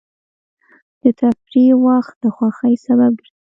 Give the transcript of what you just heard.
د تفریح وخت د خوښۍ سبب ګرځي.